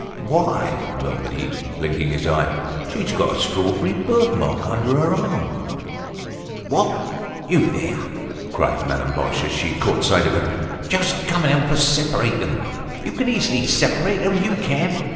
"Why," murmured he, blinking his eye, "she's got a strawberry birthmark under her arm." "What! You're there!" cried Madame Boche, as she caught sight of him. "Just come and help us separate them. You can easily separate them, you can!"